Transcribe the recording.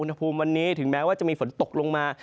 ในภาคฝั่งอันดามันนะครับ